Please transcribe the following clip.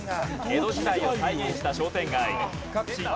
江戸時代を再現した商店街。